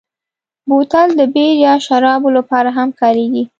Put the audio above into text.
بوتل د بیر یا شرابو لپاره هم کارېږي.